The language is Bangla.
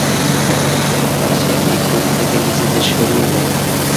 ফলস্বরূপ রাশিয়া এই গ্রুপ থেকে নিজেদের সরিয়ে নেয়।